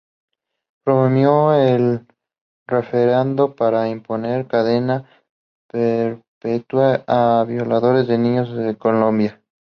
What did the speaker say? Promovió el referendo para imponer cadena perpetua a violadores de niños en Colombia.